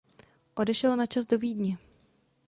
Odešel na čas do Vídně.